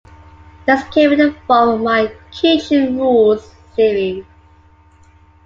This came in the form of the "My Kitchen Rules" series.